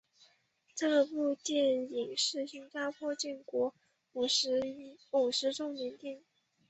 这部电影是新加坡建国五十周年电影。